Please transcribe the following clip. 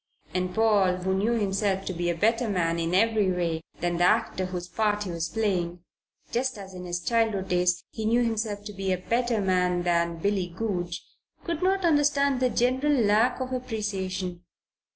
And Paul, who knew himself to be a better man in every way than the actor whose part he was playing, just as in his childhood days he knew himself to be a better man than Billy Goodge, could not understand the general lack of appreciation.